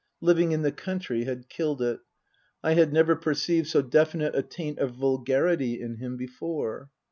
Living in the country had killed it. I had never perceived so definite a taint of vulgarity in him before.